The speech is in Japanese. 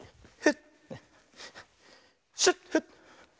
シュッフッ！